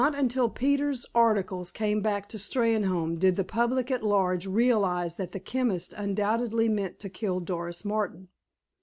Not until Peters's articles came back to Steynholme did the public at large realize that the chemist undoubtedly meant to kill Doris Martin.